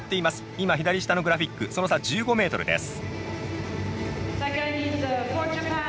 今、左下のグラフィックその差１５ｍです。